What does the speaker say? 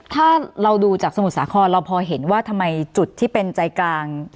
ถ้าเราดูจากสมุทรสาครเราพอเห็นว่าทำไมจุดที่เป็นใจกลาง